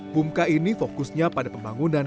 bumka ini fokusnya pada pembangunan